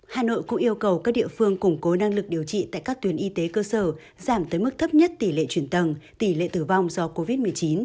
hà nội cũng yêu cầu các địa phương củng cố năng lực điều trị tại các tuyến y tế cơ sở giảm tới mức thấp nhất tỷ lệ chuyển tầng tỷ lệ tử vong do covid một mươi chín